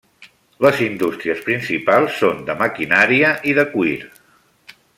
Les indústries principals són de maquinària i de cuir.